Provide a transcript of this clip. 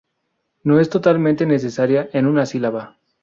No es totalmente necesaria en una sílaba.